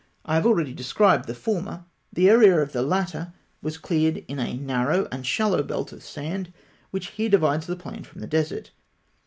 I have already described the former; the area of the latter (fig. 93) was cleared in a narrow and shallow belt of sand, which here divides the plain from the desert.